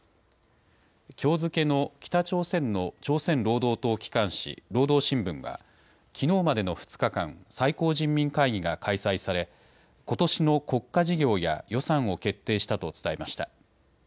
きょう付けの北朝鮮の朝鮮労働党機関紙、労働新聞はきのうまでの２日間最高人民会議が開催されことしの国家事業や予算を決定したと伝えました。